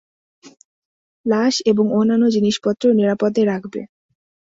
লাশ এবং অন্যান্য জিনিসপত্র নিরাপদে রাখবে।